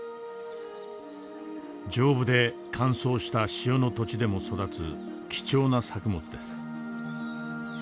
丈夫で乾燥した塩の土地でも育つ貴重な作物です。